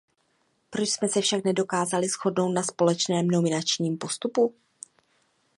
Proč jsme se však nedokázali shodnout na společném nominačním postupu?